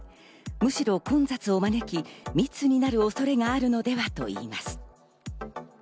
むしろ混雑を招き、密になる恐れがあるのではと言います。